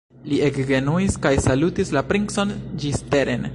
Li ekgenuis kaj salutis la princon ĝisteren.